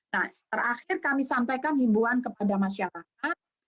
nah terakhir kami sampaikan himbuan kepada masyarakat